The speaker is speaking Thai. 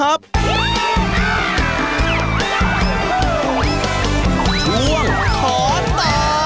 รับขอตอบ